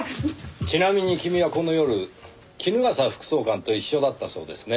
ちなみに君はこの夜衣笠副総監と一緒だったそうですねぇ。